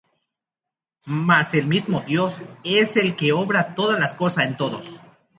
mas el mismo Dios es el que obra todas las cosas en todos.